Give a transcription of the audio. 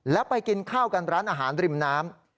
แล้วไปกินข้าวกันร้านอาหารริมน้ำ